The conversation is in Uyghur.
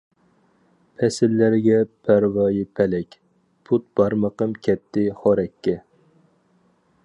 پەسىللەرگە پەرۋايى پەلەك، پۇت بارمىقىم كەتتى خورەككە.